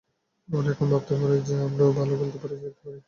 ওরা এখন ভাবতে পারবে যে, আমরাও ভালো খেলতে পারি, জিততে পারি।